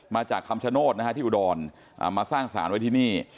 มาจากคำชโนธนะฮะที่อุดรมาสร้างสารไว้ที่นี่